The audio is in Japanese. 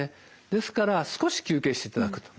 ですから少し休憩していただくと。